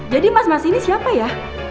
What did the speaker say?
jadi mas mas ini siapa ya